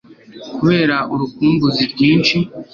kubera urukumbuzi rwinshi